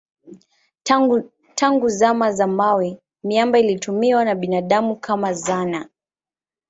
Tangu zama za mawe miamba ilitumiwa na binadamu kama zana.